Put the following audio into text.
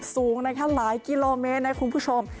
สูงนะคะหลายกิโลเมตรนะคุณผู้ชม